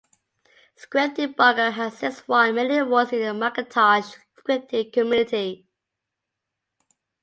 Script Debugger has since won many awards in the Macintosh scripting community.